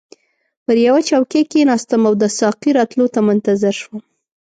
پر یوه چوکۍ کښیناستم او د ساقي راتلو ته منتظر شوم.